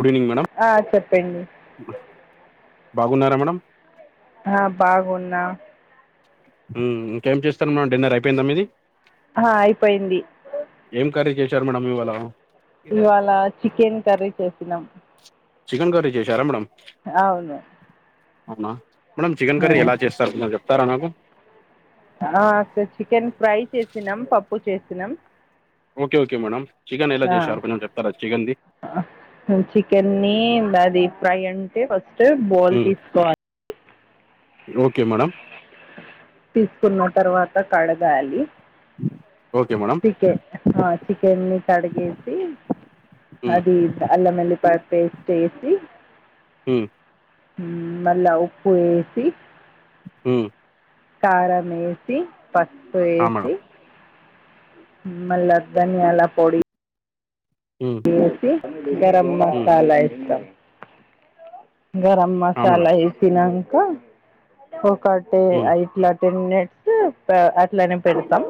Good evening madam ఆ చెప్పండి బాగున్నారా మేడం ఆ బాగున్నా ఉ ఇంకేమ్ చేస్తాన్ మేడం డిన్నర్ అయిపోయిందా మీది. హా అయిపోయింది టర్ మేడం ఇవాలా ఇవాళ చికెన్ కర్రీ చేసినాం చికన్ క్రీర్రీ చేశారా మేడమ్ అవును అవునా మేడమ్ చికెన్ ఆ కర్రీ ఎలా చేస్తారు చెప్తారా నాకు. ఆ సార్ చికెన్ ఫ్రై చేసినాం పప్పు చేసినాం ఓకే ఓకే మేడం చికెన్ ఎలా ఆ చేశారు కొంచెం చెప్తారా చికెన్ది. చికెన్ని అది ఫ్రై అంటే ఫస్ట్ బోల్ మ్మ్, తీసుకోవాలి ఓకే మేడం తీసుకున్న తర్వాత కడగాలి ఓకే మేడం చికెన్ ఆ చికెన్ని కడిగేసి మ్మ్, అది అల్లంఎల్లిపాయ పేస్ట్ వేసి ఉ మళ్ళా ఉప్పు వేసి ఉ కారం యేసి పసుపు ఆ మేడం యేసి మళ్లా ధనియాలా పొడి మ్మ్, యేసి గరం మ్మ్, మసాలా యేస్తాం గరం ఆ మేడం మసాలా యేసినంకా ఒకటే మ్మ్, అ ఇట్లా టెన్ మినిట్స్ త అట్లానే పెడతాం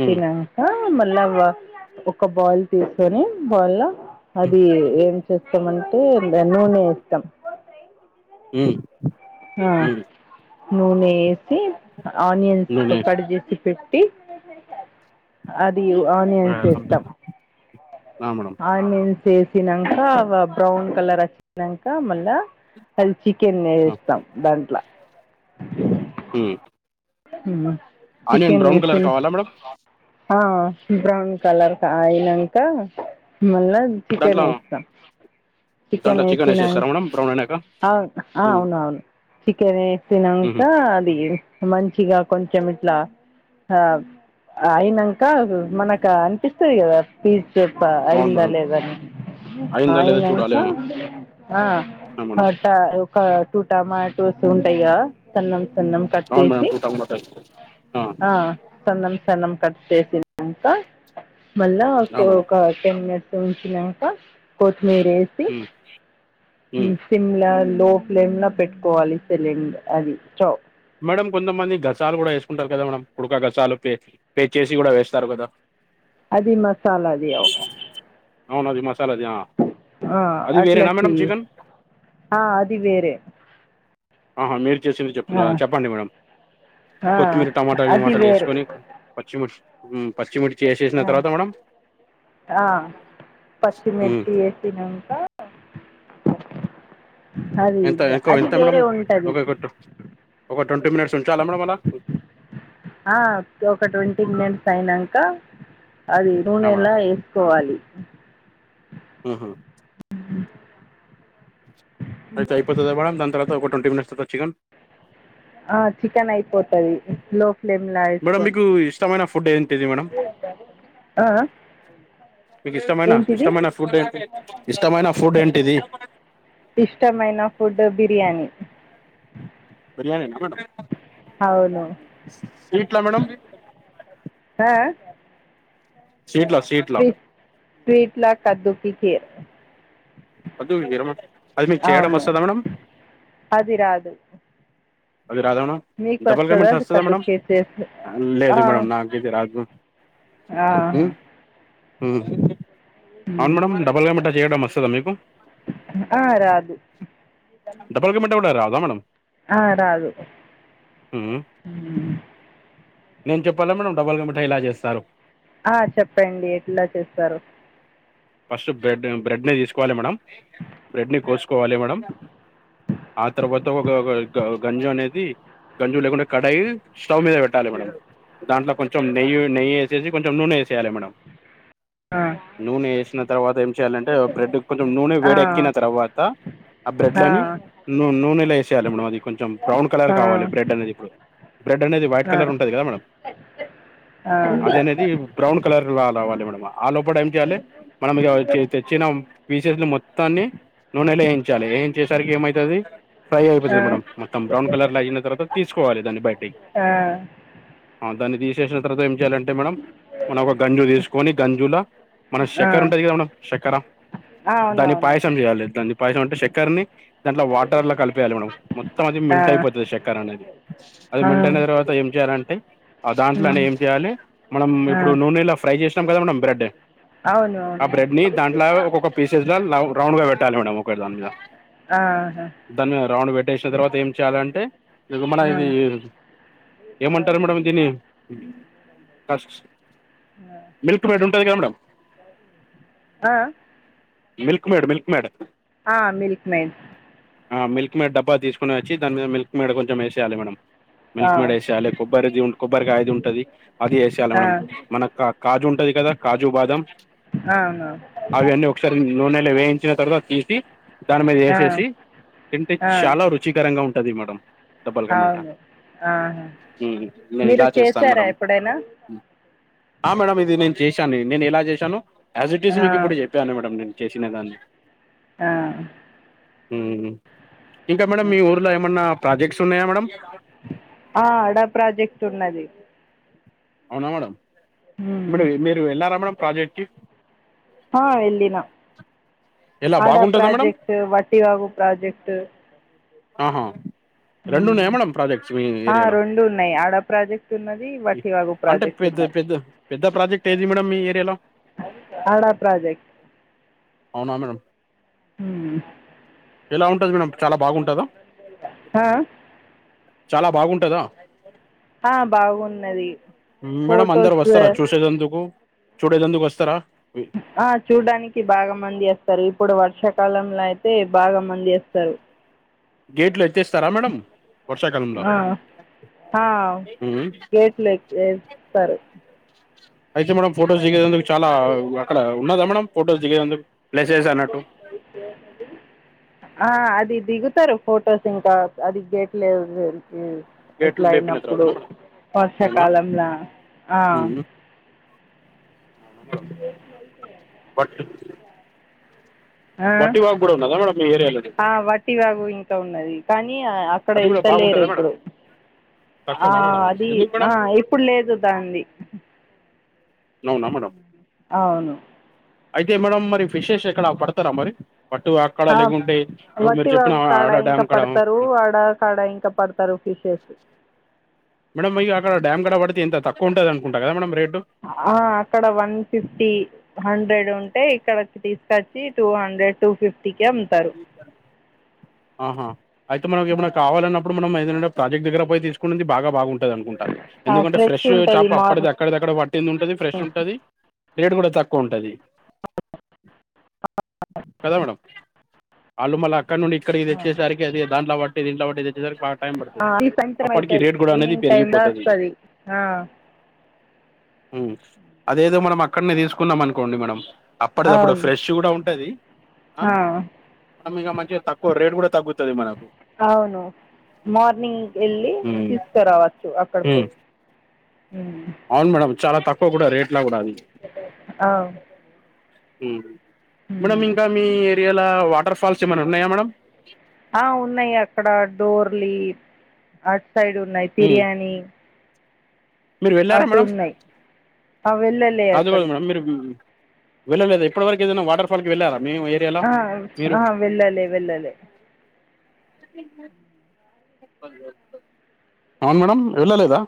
మ్మ్, మళ్ళా ఒక బాల్ తీసుకొని బౌల్లా మ్మ్, అది ఏం చేస్త్ ఇష్ట అంటే ద నూనె యేస్తాం ఉ ఆ నూనె వేసి ఆనియన్స్ నూనె కడ్ చేేసి పె ట్టి అది బాయ్, ఆనియన్స్ యేస్తాం అల్హమ్దుల్లా. ఆ మేడం ఆనియన్స్ యేసినంకా ఆ వ బ్రౌన్ కలర్ వచ్చినంకా మళ్ళా కల్స్ చికెన్ ఆ, వేస్తాం దాంట్లా ఉ ఉ చికెన్ వేస్తేనే కావాలా మేడం ఆ బ్రౌన్ కలర్ క అయినాక మళ్ళా చికెన్ దాంట్లో యేస్తాం దాంట్లో చికెన్ వేసేస్తారా యేసినంక్ మేడం బ్రౌన్ అయినాక అవును ఆ మ్మ్, అవును అవును చికెన్ యేసినంక మ్మ్, అది మంచిగా కొంచెం ఇట్లా ఆ అయినంకా మనకు అనిపి స్తది కదా పీసు ప అవును అయిందా మేడం లేదా అని అయిందా లేదా చూడాలి ఆ అయినంకా ఆ మేడం వాటారు ఒక టూ టమాటోస్ ఉంటాయ్ కదా సన్నం సన్నం కట్ అవును చేసి మేడం టూ టమాటాలు ఆ సన్నం సన్నం కట్ చేసినంక మళ్ళా ఆ ఒకో మేడం ఒక టెన్ మినిట్స్ ఉంచినాక కొత్తిమీర వేసి ఉ సిమ్లా లోఫ్లేమ్లో పెట్టుకోవాలి సిలిండ్ అది స్టవ్ మేడడం కొంతమంది గసాలు కూడా వేసుకుంటారు కదా మేడ కుడకా గసాలు పే పే చేసి కూడా వేస్తారు కదా అది మసాలాది అవు సాలది ఆ ఆ అట్లా చెయి ఆ అది వేరే ఆహ మీర్ చేసింది చెప్తున్న ఆ! చెప్పండి మేడం ఆ! కొత్తిమీర అది టమాటాలుమాటలు వేరే వేసుకొని పచ్చిమీర్ ఉమ్ పచ్చిమిర్చి వేసేసిన ఆ! తర్వాత మేడం ఆ ఉమ్, పచ్చిమిర్చి వేసినక ఎంత ఇంకో అది ఇంత మేడం వేరే ఉంటుంది ఒకక ఒక ట్వంటీ మినిట్స్ ఉంచాలా మేడమ్ అలా ఆ ఒక ట్వంటీ మినిట్స్ అయినంక అది ఆ మేడం నూనెలా వేసుకోవాలి ఉహు అయితే అయిపోతుందా మేడం దాని తర్వాత ఒక ట్వంటీ మినిట్స్ తవాత చికన్ ఆ చికెన్ అయిపోతది లో ఫ్లేమ్లో మేడంమ్ వేసుకొని మీకు ఇష్టమైన ఫుడ్ ఏంటిది మేడంమ్ మీకు ఇష్టమైన ఏంటిది ఇష్టమైన ఫుడ్ ఏంటి ఇష్టమైన ఫుడ్ ఏంటిది ఇష్టమైన ఫుడ్ బిర్యానీ బిర్యానీ నేనా మేడం అవును స్వీట్లా మేడం ఆ స్వీట్లా స్వీట్లా స్వీట్లా కద్దుూకిర్ వద్దు విరమ అది మీకు చేయడం అవును వస్తుందా మేడం అది రాదు అది రాదా మేడం మీకు డబల్ వస్తుంద పేమెంట్ వస్తుందా కదు మేడం కేేస లేదు ఆ మేడం నాకు ఇది రాదు ఆ ఉహు అవును మేడంమ్ డబుల్కమిట చేయడం వస్తుందా మీకు ఆ రాదు డబల్ గా మిఠా కూడా రాదా మేడం ఆ రాదు మ్మ్ నేను చెప్పాలా మేడం డబ్బుల్గా మిఠాయి ఎలా చేస్తారు ఆ చెప్పండి ఎట్లా చేస్తారు ఫస్ట్ బ్రెడ్ బ్రెడ్ ని తీసుకోవాలి మేడ బ్రెడ్ ని కోసుకోవాలి మేడం ఆ తవాత ఒక క గంజు అనేది గంజు లేకుండా కడాయి స్టవ్ మీద పెట్టాలి మేడం దాంట్లో కొంచెం నెయ్యి నెయ్యి వేసేసి కొంచెం నూనె వేసేయాలి మేడం ఆ నూనె వేసిన తర్వాత ఏం చేయాలంటే బ్రెడ్ కొంచెం నూనె ఆ వేడిక్కిన తర్వాత ఆ బ్రెడ్లని నూ నూనెలా వేసేయాలి మేడం అది కొంచెం బ్రౌన్ కలర్ ఆ కావాలి బ్రెడ్ అనేది ఇప్పుడు బ్రెడ్ అనేది వైట్ కలర్ ఉంటంది కదా మేడం ఆ ఆ అది అనేది బ్రౌన్ కలర్ రావాలే ఆ లోపదా ఏం చేయాలి మనకి తెచ్చిన పీసెస్లు మొత్తాన్ని నూనెలో వేయించాలి ఏం చేసరికి ఏమవుతుది ఫ్రై అయిపోతది మేడం మొత్త బ్రౌన్ కలర్లయీనా తర్వాత తీసుకోవాలి దాన్ని బయటికి ఆ దాన్ని తీసేసిన తర్వాత్ చేయలంటే మేడం మనం ఒక గంజు తీసుకొని గంజుల మన ఆ శక్కర ఉంటది కదా మన చక్కర దాన్ని అవునవును పాయసం చేయాలి దాన్ని పాయసం అంటే చక్కర్ని దాంట్లో వాటర్ లో కలిపేయాలి మేడం మొత్తం అది ఆ! మిల్ట్ అయిపోతుంది చెక్కర్ అనేది అది ఆ! మిల్ట్ అయిన తర్వాత ఏం చేయాలంటే ఆ దాంట్లనే హ్మ్. చేయాలి మనం ఆ! ఇప్పుడు నూనె ఇలా ఫ్రై చేసాం కదా మేడం బ్రెడ్ అవును ఆ అవును బ్రెడ్ ని దాంట్లా ఒక్కొక్క పీసెస్గా లవ్ రౌండ్ గ బెట్టాలి మేడం ఒకటి దాని మీద ఆహా! దాని మీద రౌండు బె చేషిన తర్వాతేం చేయాలంటే మన ఆ! ఇదీ ఏమంటరు మేడం దీన్నీ [unintelligible] మిల్క్ మెయిడ్ ఉంటది కద మేడం ఆ! మిల్క్ మేడ్ మిల్క్ మేడ్ ఆ మిల్క్ మెయిడ్ ఆ మిల్క్ మెయిడ్ డబ్బా దీసుకునచ్చి దాని మీద మిల్క్ మెయిడ్ కొంచంమేశేయాలె మేడం మిల్క్ మేడేశేయాలే కొబ్బరిది ఉం కొబ్బరికాయది ఉంటది అది ఏశేయాలె మేడం మన కా కాజు ఉం టది కదా కాజు బాదం అవును నూనెల వేయించిన తర్వాతీసీ దాని ఆ! మీదేసేసి ఆ! తింటె చాలా రుచికరంగా ఉం టది మేడం డబ్బల్ కా మీటా అవును ఆహా! ఊ నేనిలా మీరు చేస్తాను చేశారా మేడం ఎప్పుడైనా ఉ ఆ మేడం ఇది నేన్ చేశానేన్ నేనెలా జేశానో ఆజీటీజ్ ఆ! మీకిప్పుడు యె నేన్ చేషినదాన్ని ఆ ఊ ఇంకా మేడమ్ మీ ఊర్లో ఏమన్నా ప్రాజెక్ట్స్ ఉన్నయా మేడమ్ ఆ అడా ప్రాజెక్టున్నది అవునా మేడం మరీ మీరు వెళ్ళారా మేడం ప్రాజెక్ట్ కి ఆ ఎల్లిన ఎలా అడా బాగుంటుందా మేడం ప్రాజెక్టూ వట్టివాగు ప్రాజెక్టూ ఆహా రెండున్నయా మేడం ప్రాజెక్ట్స్ మీ ఆ, ఏరియాలో రెండు ఉన్నాయి ఆడ ప్రాజెక్ట్ ఉన్నది ఇ వట్టివాగు అంటే ప్రాజెక్ట్ పెద్ద ఉన్నది పెద్ద పెద్ద ప్రాజెక్టేదీ మేడమ్ మీ ఏరియాలో ఆడా ప్రాజెక్ట్ అవునా మేడం ఊ ఎలా ఉంటది మేడం చాలా బాగుంటద ఆ చాలా బాగుంటదా ఆ, బాగున్నది మేడం అందరు ఫొటోస్ వస్తరా చూశేదందుకూ చూడేదందుకు వస్తరా ఆ చూడ్డానికి బాగ మంది అస్తరు ఇప్పుడు వర్షకాలం లయితే బాగా మంది అస్తరు గేట్లు ఎత్తేస్తరా మేడమ్ వర్షాకాలంలో ఆ, ఆ గేట్లే క్ ఎస్తారు అయితే మనం ఫొటోస్ దిగేదందుకు చాలా అక్కడ ఉన్నదా మేడం ఫొటోస్ దిగేదందుకు ఆ అది దిగుతరు ఫొటోస్ ఇంకా అది గేట్ లేదు ఊ గేట్లు లేపిన ఇట్లయినప్పుడూ తర్వాతనా మేడం అవునా వర్షకాలంలా ఆ [unintelligible] ఆ బట్టి వాగు కూడా ఉన్నదా మేడం మీ ఏరియాలోనే ఆ వట్టి వాగు ఇంకా ఉన్నదీ కానీ నీ అ అక్కడ అది కూడా ఎళ్తలేరూ బాగుంటుందా మేడం ఇప్పుడు ఆ తక్కువనా మేడం అది అదీ ఎందుకు ఆ మేడం ఇప్పుడ్లేదు దాన్ది అవునా మేడం అవును అయితే మేడమ్ మరి ఫిషెస్ ఎక్కడ పడతారా మరి పట్టు అక్కడ ఆ, లేగుంటే ఎవరు మీరు చెప్పినా ఆడ డ్యామ్క్కడ కడ కడా ఇంకా పడతారు ఫిషెస్ మేడం ఇగ అక్కడ డమ్ కడ పడితే ఎంత తక్కువ ఉంటది అకుంట కదా మేడం రేట్ ఆ అక్కడ వన్ ఫిఫ్టీ హండ్రెడ్ ఉంటే ఇక్కడకి తీసుకొచ్చి టూ హండ్రెడ్ టూ ఫిఫ్టీ కి అమ్ముతారు ఆహా అయితే మనంకేమన్నా ఆ. కావలన్నప్పుడు మనం ఏదంటే ప్రాజెక్ట్ దగ్గర పోయి తీసుకునేది బాగా బాగుంటుంది టూన్ది అనుకుంట ఆ ఎందుకంటే ఫ్రెష్ ఉంటది చాప మార్నింగ్ అప్పటిది అక్కడక్కడ పట్టింది ఉంటది ఫ్రెష్ ఉంటది రేట్ కూడా తక్కువ ఉంటుంది కదా మేడం వాళ్ళు మళ్ళ అక్కడ నుండి ఇక్కడికి తెచ్చేసరికి అది దాట్లో బట్టి దీంట్లో బట్టిద తెచ్చేసరికి టైం ఆ పడుతుంది ఈ సాయంత్రం అప్పటికి అయితది రేట్ కూడా అనేది ఈవినింగ్ టైమ్ లో పెరిగిపోతది వస్తది ఆ ఉమ్ అదేదో మనం అక్కడనే తీసుకున్నాం అనుకోండి మేడం అప్పటిదప్పుడు అవును ఫ్రెష్ కూడా ఉంటది ఆ మనం ఇక మంచిగా తక్ కు రేట్ కూడా తగ్గుతాది మనకు అవును మార్నింగ్ వెళ్ళి హ్మ్. తీసుకురావచ్చు అక్కడ హ్మ్. పోయి ఉమ్ అవును మేడం చాలా తక్కువ కూడా రేట్ ఆ ఉమ్ మేడమ్ ఇంకా మీ ఏరియాల వాటర్ ఫాల్స్ ఏమైన్నా ఉన్నాయా మేడం ఆ ఉన్నాయి అక్కడ డోర్లీ అట్ సైడ్ ఉన్నాయి ఉమ్. బిర్యానీ మీరు వెళ్ళారా మేడం అటున్నాయి అ వెళ్లేలు కాదు కాదు మేడమ్ మీరు వెళ్ళలేదా ఎప్పటివరకు ఏదైనా వాటర్ ఫాల్ కి వెళ్ళారా మీ ఏరియాలో ఆ మీరు ఆ వెళ్ళలేదండీ అదే [unintelligible] అవును మేడం వెళ్ళలేదా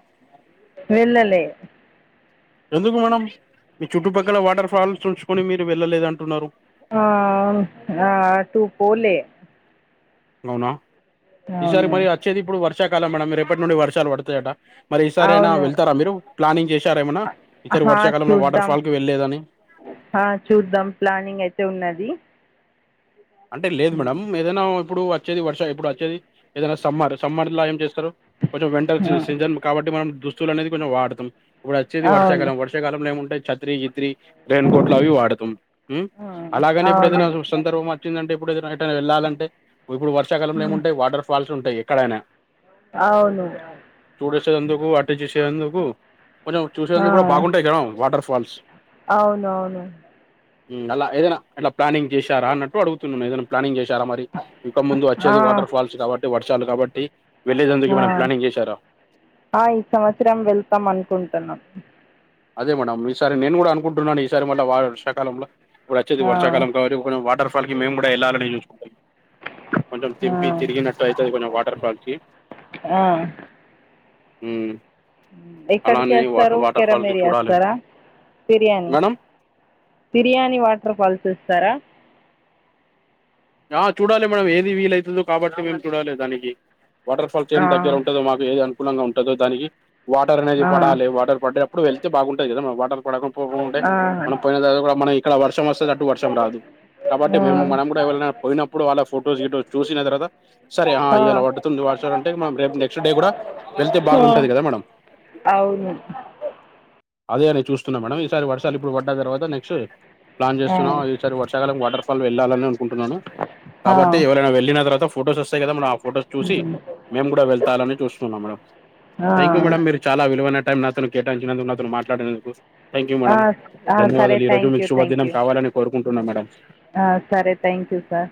వెళ్ళలే ఎందుకు మేడం మీ చుట్టుపక్కల వాటర్ ఫాల్స్ ఉంచుకని మీరు వెళ్ళలేద అంటున్నారు ఆ ఆ అటు పోలే అవునా ఈసారి అవును మరి అచ్చేది ఇప్పుడు వర్షాకాలం మేడం రేపటి వర్షాలు పడుతాయట మరి ఈ సారి అయినా అవును వెళ్తారా మీరు ప్లానింగ్ చేసార ఏమనా ఇతరు వర్షాకాలంలో వాటర్ ఫాల్ కి వెళ్ళలేదని ఆ చూద్దాం ప్లానింగ్ అయితే ఉన్నది అంటే లేదు మేడమ్ ఏదైనా ఇప్పుడు వచ్చేది వర్ష ఇప్పుడు అచ్చేది ఏదైనా సమ్మర్ సమ్మర్ల ఏం చేస్తారు కొంచెం వంటర్ సీజన్ కాబట్టి మనం దు చూలు అనేది కొంచం వాడతం ఇప్పుడు అచ్చేది ఆ, అవును వర్షకాలం వర్షాకాలంలో ఏముంటాయి చత్రి గిత్రీ రైన్కోట్లు అవి వాడుతం ఉమ్ ఆ, అలాగనే ఇప్పుడ అవును ఏ సందర్భ అంటే ఇప్పుడు ఏదైనా ఎటైనా వెళ్ళాలంటే ఇప్పుడు వర్షకాలంలో ఉమ్, ఏముంటాయి వాటర్ ఫాల్స్ ఉంటాయి ఎక్కడైనా అవును చూడేసే అందుకు వాటె చేసే అందుకు కొంచెం ఆ, చూసేందుకు కూడా బాగుంటాయి కదం వాటర్ ఫాల్స్ అవును అవును ఉమ్ అలా ఏదైనా ఇలా అట్లా ప్లానింగ్ చేశారా అన్నట్టు అడుగుతున్నాను ఏదైనా ప్లానింగ్ చెస్ చార మరి ఇంక ముందు ఆ, అచ్చేది వాటర్ ఫాల్స్ కాబట్టి వర్షాలు కాబట్టి వెళ్ళేదందుకు ఆ ఏమైనా ప్లానింగ్ చేశారా ఆ ఈ సంవత్సరం వెళ్తాం అనుకుంటన్నాం అదే మేడం ఈసారి నేను కూడా అనుకుంటున్నాను ఈసారి మళ్ళీ వర్షాకాలంల ఇప్పుడు వచ్చది ఆ, వర్షాకాలం కాబట్టి కొంచం వాటర్ ఫాల్ కి మేము కూడా ఎల్లాలని చూసుకుంటాం కొంచెం ఆ, తింపి తిరిగినట్టు అయితది కొంచెం వాటర్ఫాల్ కి ఆ ఉ ఎక్కడికి వస్తారు కి కెరామరీ చూడాలి [unintelligible] biryani madam biryani waterfalls ఇస్తార ఆ చూడాలి మేడమ్ ఏది వీలవుతుందో కాబట్టి మేము చూడాలి దానికి వాటర్ ఫాల్స్ ఆ, ఏమి దగ్గర ఉంటదో మాకు ఏది అనుకూలంగ ఉంటుందో దానికి వాటర్ అనేది ఆ, పడాలి వాటర్ పడే అప్పుడు వెళ్తే బాగుంటది కదా మన వాటర్ పడక పోకుంటే ఆ, మనం పోయిన [unintelligible] మనం ఇక్కడ వర్షం వస్తది అటు వర్షం రాదు కాబట్టి ఆ, మేము మనం కూడ [unintelligible] పోయినప్పుడు వాళ్ళ ఫొటోస్ [unintelligible] చూసిన తర్వాత సరే ఆ, ఇలా పడ్తుది [unintelligible] అంటే రేపు నెక్స్ట్ డే కూడ వెళ్తే ఆ. బాగుంటది కదా మేడం అవును అదే అని చూస్తున్నా మేడం ఈసారి వర్షాలు ఇప్పుడు పడ్డా తర్వాత నెక్స్ట్ ప్లాన్ ఆ. చేస్తున్నాము ఈసారి వర్షకాలం వాటర్ ఫాల్ వెళ్ళాలని అనుకుంటు ఆ! కాబట్టి ఎవరైన వెళ్ళిన తర్వాత ఫొటోస్ వస్తాయి కదా మన ఫొటోస్ చూసి హ్మ్. మేము కూడ వెళ్తాలని చూస్తున్నాం మేడం ఆ! థ్యాంక్ యూ మేడం మీరు చాల విలువైన టైమ్ నాతోని కేటాయిచినందుకు నాతోని మాట్లాడినందుకు థ్యాంక్ యూ ఆ! మేడం ఆ! సరే ధన్యవాదాలు ఈ రోజు థ్యాంక్ మీకు యూ థ్యాంక్ శుభదినం యూ కావాలని కోరుకుంటున్నా మేడం సరే థ్యాంక్ యూ సార్